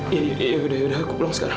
ya ya ya yaudah aku pulang sekarang